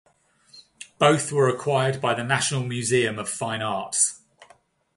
Both were acquired by the National Museum of Fine Arts.